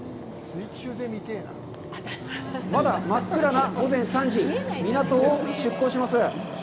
まだ真っ暗な午前３時、港を出港します。